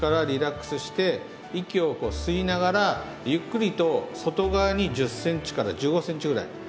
リラックスして息を吸いながらゆっくりと外側に１０センチから１５センチぐらい。